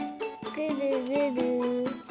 ぐるぐる？